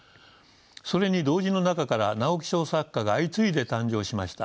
それに同人の中から直木賞作家が相次いで誕生しました。